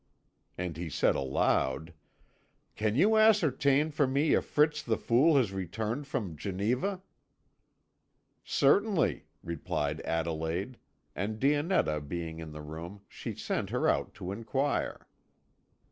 And he said aloud: "Can you ascertain for me if Fritz the Fool has returned from Geneva?" "Certainly," replied Adelaide, and Dionetta being in the room, she sent her out to inquire.